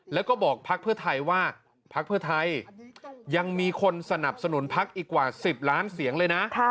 แล้วปรักษณะพักเพื่อไทยยังมีคนสนับสนุนพักอีกกว่า๑๐ล้านเสียงเลยนะ